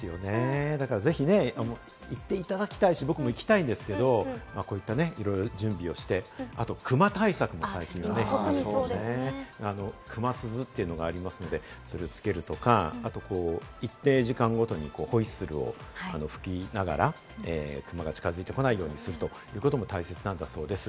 ぜひ行っていただきたいし、僕も行きたいんですけれども、いろいろ準備して、あとクマ対策も最近はね、熊鈴というのがあるので、それをつけるとか、一定時間ごとにホイッスルを吹きながらクマが近づいてこないようにするということも大事かなと思います。